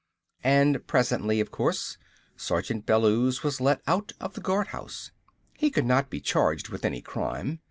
And presently, of course, Sergeant Bellews was let out of the guardhouse. He could not be charged with any crime.